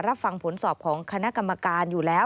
รับฟังผลสอบของคณะกรรมการอยู่แล้ว